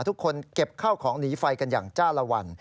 ทุกคนเก็บข้าวของหนีไฟกันอย่างจ้าละวัน